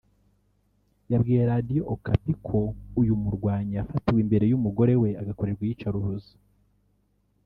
yabwiye Radio Okapi ko uyu murwanyi yafatiwe imbere y’umugore we agakorerwa iyicarubuzo